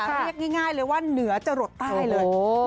เรียกง่ายเลยว่าเหนือจะหลดใต้เลย